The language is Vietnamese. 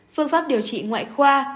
phương pháp điều trị ngoại khoa